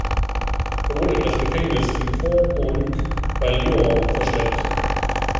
Er wurde in das Gefängnis im Fort Montluc bei Lyon verschleppt.